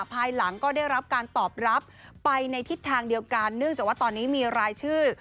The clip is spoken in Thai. ภายหลังก็ได้รับการตอบรับไปในทิศทางเดียวกันเนื่องจากว่าตอนนี้มีรายชื่อ